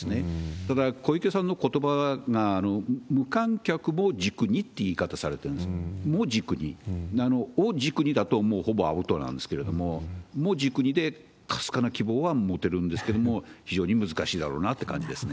ただ、小池さんのことばが、無観客も軸にっていう言い方されてる。も軸に。を軸にだと、ほぼアウトなんですけれども、も、軸にでかすかな希望は持てるんですけれども、非常に難しいだろうなって感じですね。